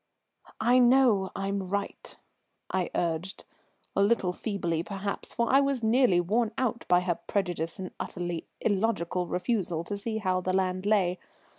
"I know I'm right," I urged, a little feebly perhaps, for I was nearly worn out by her prejudice and utterly illogical refusal to see how the land lay.